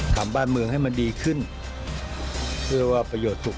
ทำบ้านเมืองให้มันดีขึ้นเพื่อว่าประโยชน์สุข